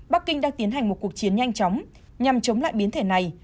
bắc kinh đang tiến hành một cuộc chiến nhanh chóng nhằm chống lại biến thể này